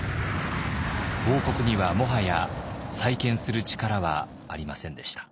王国にはもはや再建する力はありませんでした。